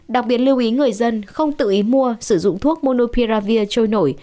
đặc biệt lưu ý người dân không tự ý mua sử dụng thuốc monopia trôi nổi